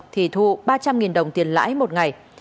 thì thu ba trăm linh đồng tiền lãi một ngày